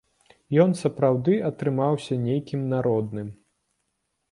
Ён сапраўды атрымаўся нейкім народным.